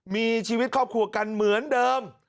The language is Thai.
มีชีวิตครอบครัวกันเหมือนเดิม